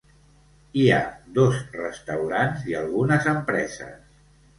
Hi ha dos restaurants i algunes empreses.